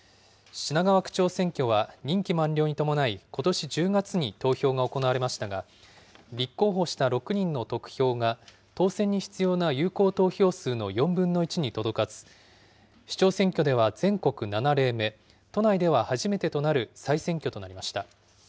品川区長選挙は、任期満了に伴い、ことし１０月に投票が行われましたが、立候補した６人の得票が、当選に必要な有効投票数の４分の１に届かず、首長選挙では、全国７例目、都内では初めてとなる再選挙となりました。